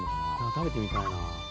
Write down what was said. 食べてみたいな。